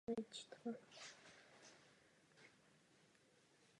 Musíme být opatrní, abychom do této pasti nespadli.